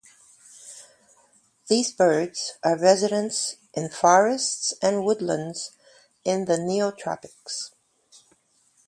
These birds are residents in forests and woodlands in the Neotropics.